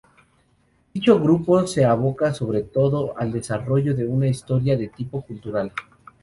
Dicho grupo se aboca, sobre todo, al desarrollo de una historia de tipo cultural.